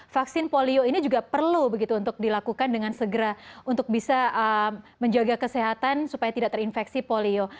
vaksin polio ini juga perlu begitu untuk dilakukan dengan segera untuk bisa menjaga kesehatan supaya tidak terinfeksi polio